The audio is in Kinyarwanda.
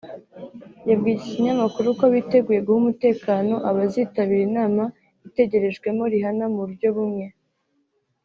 yabwiye iki kinyamakuru ko biteguye guha umutekano abazitabiri inama itegerejwemo Rihanna mu buryo bumwe